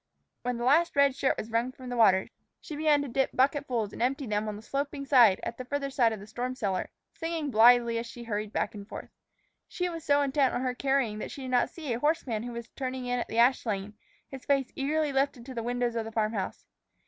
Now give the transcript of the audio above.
When the last red shirt was wrung from the water, she began to dip bucketfuls and empty them on the sloping ground at the farther side of the storm cellar, singing blithely as she hurried back and forth. She was so intent on her carrying that she did not see a horseman who was turning in at the ash lane, his face eagerly lifted to the windows of the farm house.